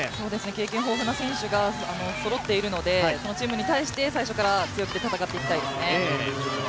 経験豊富な選手がそろっているのでそのチームに対して、最初から強気で戦っていきたいですね。